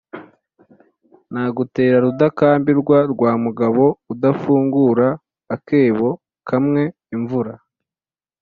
Nagutera Rudakambirwa rwa mugabo udafungura akebo kamwe-Imvura.